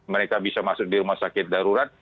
mereka bisa masuk di rumah sakit darurat